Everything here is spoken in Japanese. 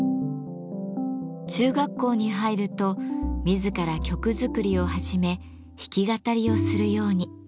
中学校に入ると自ら曲作りを始め弾き語りをするように。